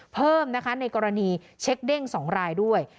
เพิ่มนะคะในกรณีเช็คเด้ง๒รายด้วย